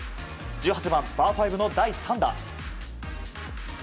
１８番、パー５の第３打。